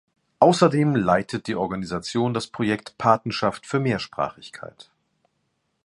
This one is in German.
Außerdem leitet die Organisation das Projekt „Patenschaft für Mehrsprachigkeit“.